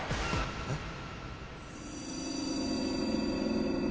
えっ？